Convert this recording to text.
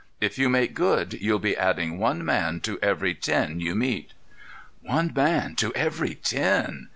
If you make good, you'll be adding one man to every ten you meet." "'One man to every ten!